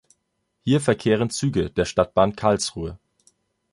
Hier verkehren Züge der Stadtbahn Karlsruhe.